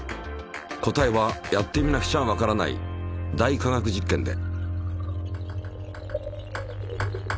答えはやってみなくちゃわからない「大科学実験」で。